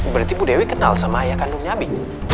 berarti bu dewi kenal sama ayah kandungnya abi